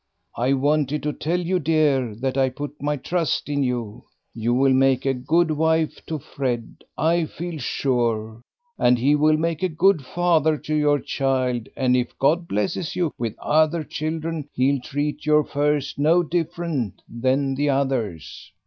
I wanted to tell you, dear, that I put my trust in you. You will make a good wife to Fred, I feel sure, and he will make a good father to your child, and if God blesses you with other children he'll treat your first no different than the others.